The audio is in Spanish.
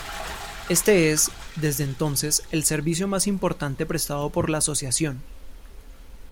Este es, desde entonces, el servicio más importante prestado por la asociación.